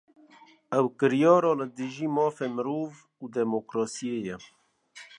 Ev kiryara, li dijî mafê mirov û demokrasiyê ye